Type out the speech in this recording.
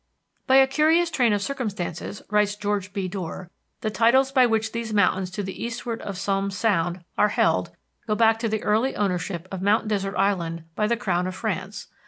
"By a curious train of circumstances," writes George B. Dorr, "the titles by which these mountains to the eastward of Somes Sound are held go back to the early ownership of Mount Desert Island by the Crown of France.